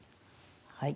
はい。